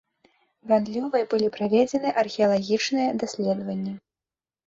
Гандлёвай былі праведзены археалагічныя даследаванні.